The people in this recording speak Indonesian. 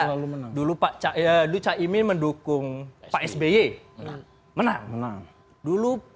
menang ya selalu menang iya dulu pak cahaya duca imin mendukung psb menang menang dulu